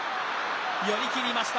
寄り切りました。